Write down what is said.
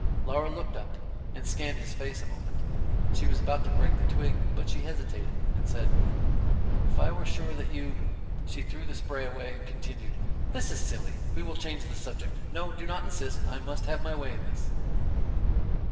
Laura looked up, and scanned his face a moment. She was about to break the twig, but she hesitated and said: "If I were sure that you " She threw the spray away, and continued: "This is silly! We will change the subject. No, do not insist I must have my way in this."